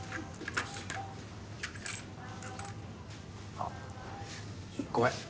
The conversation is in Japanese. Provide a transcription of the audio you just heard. あっごめん。